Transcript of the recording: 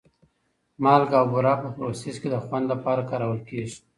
مالګه او بوره په پروسس کې د خوند لپاره کارول کېږي.